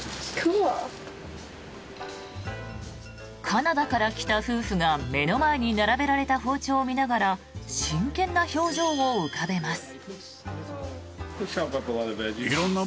カナダから来た夫婦が目の前に並べられた包丁を見ながら真剣な表情を浮かべます。